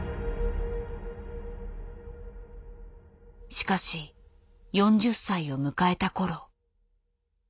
しかし４０歳を迎えた頃。